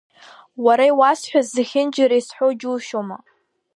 Уара иуасҳәаз зегьынџьара исҳәо џьушьома?!